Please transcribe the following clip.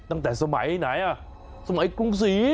ตั้งแต่สมัยไหนอ่ะสมัยกรุงศรี